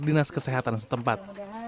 dinas kesehatan setempat